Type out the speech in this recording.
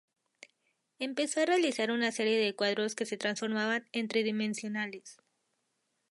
Empezó a realizar una serie de cuadros que se transformaban en tridimensionales.